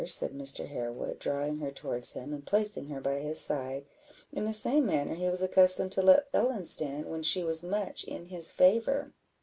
said Mr. Harewood, drawing her towards him, and placing her by his side, in the same manner he was accustomed to let Ellen stand, when she was much in his favour.